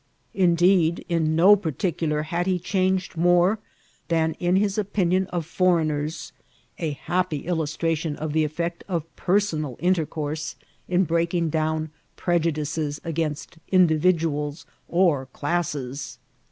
Indeed, in no particular had he changed more than in his opinion of foreigners, a happy illustra tion of the effect of personal intercourse in breaking dbwn prejudices against individuals or classes.